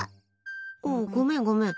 あ、ごめんごめん。